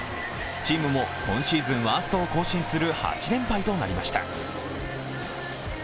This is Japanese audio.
チームも今シーズンワーストを更新する８連敗となりました。